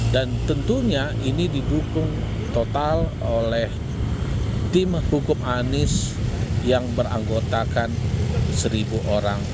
dan tentunya ini didukung total oleh tim hukum anies yang beranggotakan seribu orang